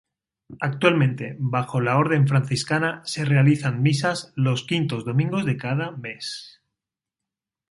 Actualmente, bajo la Orden Franciscana, se realizan misas los quintos domingos de cada mes.